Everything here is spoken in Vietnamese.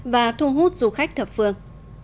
và thu hút du khách thập phương